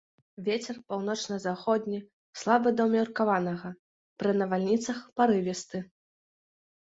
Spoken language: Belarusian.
Вецер паўночна-заходні слабы да ўмеркаванага, пры навальніцах парывісты.